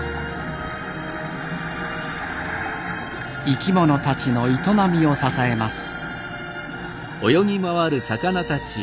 生き物たちの営みを支えます。